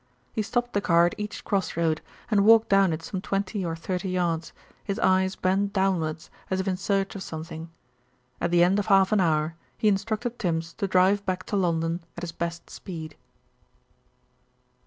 He stopped the car at each cross road, and walked down it some twenty or thirty yards, his eyes bent downwards as if in search of something. At the end of half an hour he instructed Tims to drive back to London at his best speed.